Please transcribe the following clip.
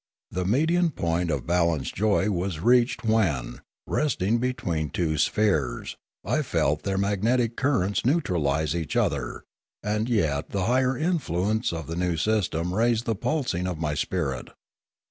The median point of balanced joy was reached when, resting be tween two spheres, I felt their magnetic currents neutralise each other, and yet the higher influence of the new system raise the pulsing of my spirit.